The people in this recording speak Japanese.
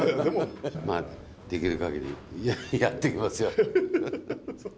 まあ、できるかぎりやっていきま